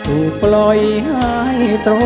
อุบล่อยหาย